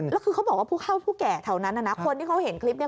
แล้วคือเขาบอกว่าผู้เข้าผู้แก่แถวนั้นนะคนที่เขาเห็นคลิปนี้